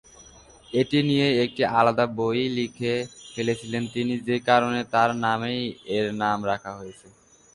এটি নিয়ে একটি আলাদা বই-ই লিখে ফেলেছিলেন তিনি যে কারণে তার নামেই এর নাম রাখা হয়েছে।